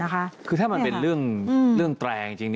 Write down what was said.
คือถ้าคือเวลาเป็นเรื่องแตรง